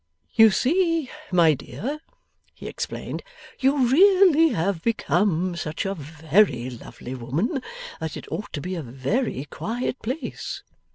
'You see, my dear,' he explained, 'you really have become such a very lovely woman, that it ought to be a very quiet place.